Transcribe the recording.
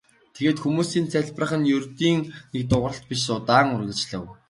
Тэгээд хүмүүсийн залбирах нь ердийн нэг дуугаралт биш удаан үргэлжлэв.